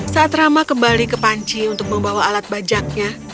saat rama kembali ke panci untuk membawa alat bajaknya